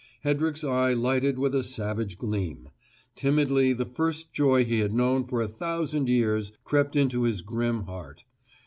Hedrick's eye lighted with a savage gleam; timidly the first joy he had known for a thousand years crept into his grim heart.